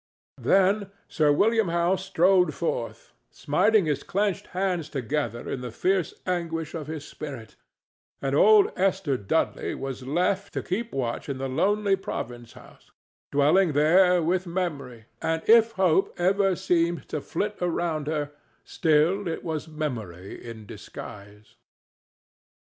Then Sir William Howe strode forth, smiting his clenched hands together in the fierce anguish of his spirit, and old Esther Dudley was left to keep watch in the lonely province house, dwelling there with Memory; and if Hope ever seemed to flit around her, still it was Memory in disguise.